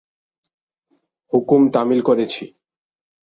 হুকুম তামিল করেছি।